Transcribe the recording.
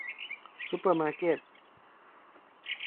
ซุปเปอร์มาร์เกต